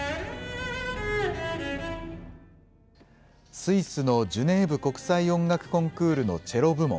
スイスのジュネーブ国際音楽コンクールのチェロ部門。